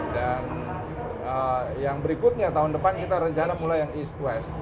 dan yang berikutnya tahun depan kita rencana mulai yang east west